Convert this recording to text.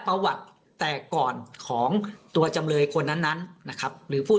ประวัติแต่ก่อนของตัวจำเลยคนนั้นนั้นนะครับหรือผู้